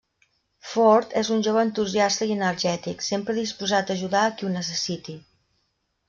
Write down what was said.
Ford és un jove entusiasta i energètic, sempre disposat a ajudar a qui ho necessiti.